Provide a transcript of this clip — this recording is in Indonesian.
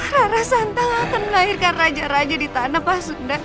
rara santang akan mengahirkan raja raja di tanah pasundan